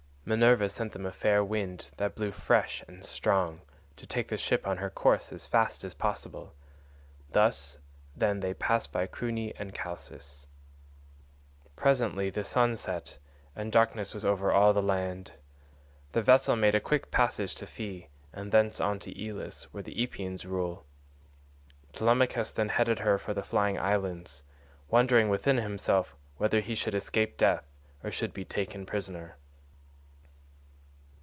Minerva sent them a fair wind that blew fresh and strong to take the ship on her course as fast as possible. Thus then they passed by Crouni and Chalcis. Presently the sun set and darkness was over all the land. The vessel made a quick passage to Pheae and thence on to Elis, where the Epeans rule. Telemachus then headed her for the flying islands,132 wondering within himself whether he should escape death or should be taken prisoner.